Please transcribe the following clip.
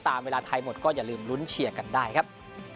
เวลาไทยหมดก็อย่าลืมลุ้นเชียร์กันได้ครับ